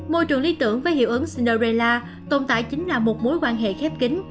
môi trường lý tưởng với hiệu ứng cinderella tồn tại chính là một mối quan hệ khép kín